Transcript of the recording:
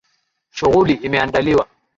Shughuli imeandaliwa.